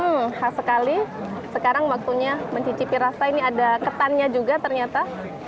hmm khas sekali sekarang waktunya mencicipi rasa ini ada ketannya juga ternyata